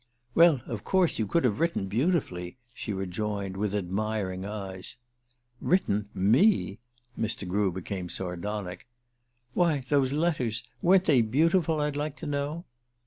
"Well, of course you could have written beautifully," she rejoined with admiring eyes. "_ Written?_ Me!" Mr. Grew became sardonic. "Why, those letters weren't they beautiful, I'd like to know?"